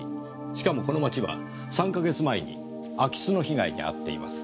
しかもこの町は３か月前に空き巣の被害に遭っています。